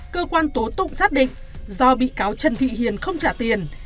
cơ quan tố tụng xác định do bị cáo trần thị hiền không trả tiền